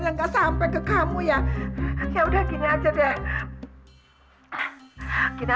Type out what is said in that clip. jangan coba coba mendekat